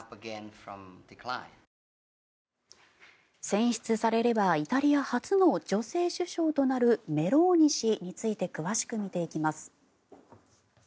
選出されればイタリア初の女性首相となるメローニ氏について詳しく見ていきます。